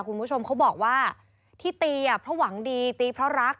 คุณผู้ชมเขาบอกว่าที่ตีเพราะหวังดีตีเพราะรัก